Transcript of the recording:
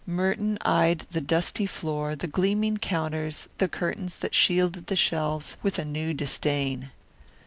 Merton eyed the dusty floor, the gleaming counters, the curtains that shielded the shelves, with a new disdain.